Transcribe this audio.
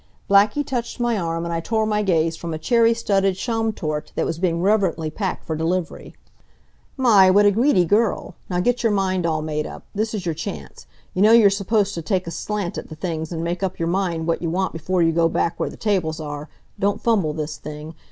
Blackie touched my arm, and I tore my gaze from a cherry studded Schaumtorte that was being reverently packed for delivery. "My, what a greedy girl! Now get your mind all made up. This is your chance. You know you're supposed t' take a slant at th' things an' make up your mind w'at you want before you go back w'ere th' tables are. Don't fumble this thing.